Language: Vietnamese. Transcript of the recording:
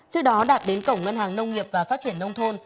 trước đó đạt đến cổng ngân hàng nông nghiệp và phát triển nông thôn